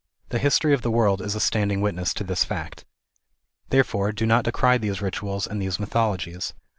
The history of the world is a standing witness to this fact. Therefore, do not decry these rituals and these mythologies.